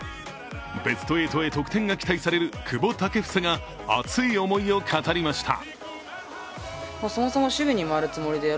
ベスト８へ得点が期待される久保建英が熱い思いを語りました。